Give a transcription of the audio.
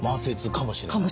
かもしれない。